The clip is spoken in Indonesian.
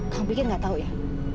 kamu pikir gak tau ya